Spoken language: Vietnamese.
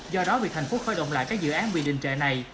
do đó việc thành phố khởi động lại các dự án bị định trệ này